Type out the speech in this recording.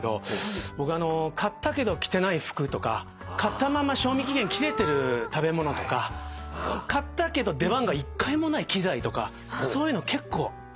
僕買ったけど着てない服とか買ったまま賞味期限切れてる食べ物とか買ったけど出番が１回もない器材とかそういうの結構あるんですよね。